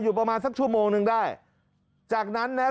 อยู่ประมาณสักชั่วโมงนึงได้จากนั้นเนี่ย